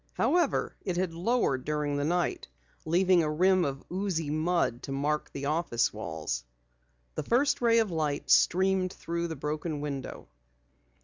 However, it had lowered during the night, leaving a rim of oozy mud to mark the office walls. The first ray of light streamed through the broken window.